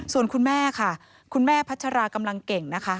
ส่วนคุณแม่ค่ะคุณแม่พัชรากำลังเก่งนะคะ